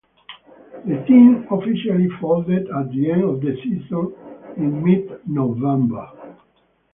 The team officially folded at the end of the season in mid-November.